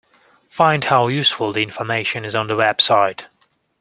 Find how useful the information is on the website.